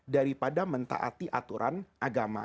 daripada mentaati aturan agama